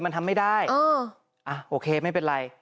มันทำไม่ได้โอเคไม่เป็นไร